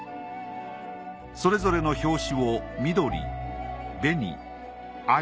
それぞれの表紙を緑紅藍